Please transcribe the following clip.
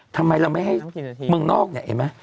ทำไมเราไม่ให้เมืองนอกนะ